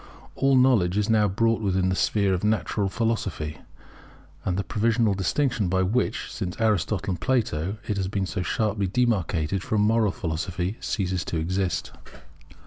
All knowledge is now brought within the sphere of Natural Philosophy; and the provisional distinction by which, since Aristotle and Plato, it has been so sharply demarcated from Moral Philosophy, ceases to exist.